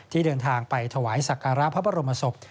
ที่เดินทางไปถวายศักราพพระบรมศพ